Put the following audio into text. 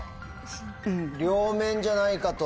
「両面」じゃないかと。